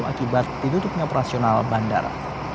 akibat ditutupnya operasional bandara